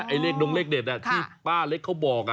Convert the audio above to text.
ไอ้เลขดงเลขเด็ดที่ป้าเล็กเขาบอก